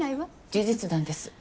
事実なんです